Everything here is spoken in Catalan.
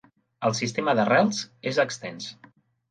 El sistema d'arrels és extens.